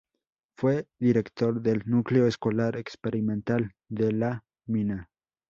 Fue director del "Núcleo Escolar Experimental de La Mina".